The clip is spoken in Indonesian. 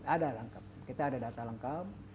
ada lengkap kita ada data lengkap